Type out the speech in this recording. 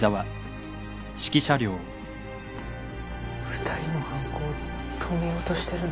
２人の犯行止めようとしてるの？